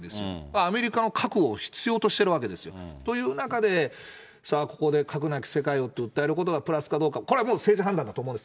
アメリカの核を必要としているわけですよ。という中でさあ、ここで核なき世界をと訴えることがプラスかどうか、これはもう、政治判断だと思うんです。